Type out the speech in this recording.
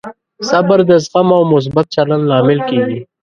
صبر د زغم او مثبت چلند لامل کېږي.